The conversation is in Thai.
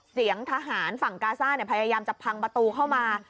เสียงทหารฝั่งกาซ่าพยายามจะพังประตูเข้ามา